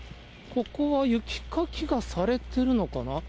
ここは雪かきがされてるのかな。